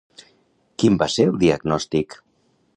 Quin va ser el diagnòstic?